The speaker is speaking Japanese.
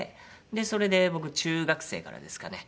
それで僕中学生からですかね。